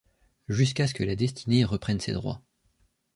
Jusqu’à ce que la destinée reprenne ses droits.